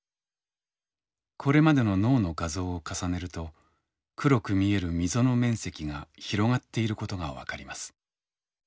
これまでの脳の画像を重ねると黒く見える溝の面積が広がっていることが分かります。